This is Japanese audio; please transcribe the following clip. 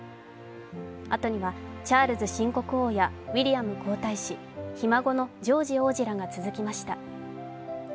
後にはチャールズ新国王やウィリアム皇太子、ひ孫のジョージ王子らが続きました。